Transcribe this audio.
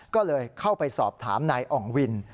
ก็เลยเข้าไปสอบถามนายอ่องวิน